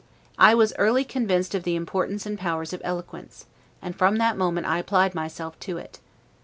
I was early convinced of the importance and powers of eloquence; and from that moment I applied myself to it.